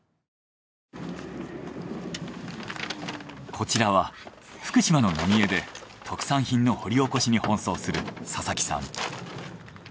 こちらは福島の浪江で特産品の掘り起こしに奔走する佐々木さん。